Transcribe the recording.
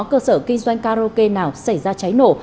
cơ sở kinh doanh karaoke nào xảy ra cháy nổ